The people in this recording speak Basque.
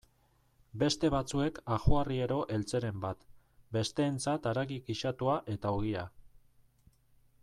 Beste batzuek ajoarriero eltzeren bat, besteentzat haragi gisatua eta ogia.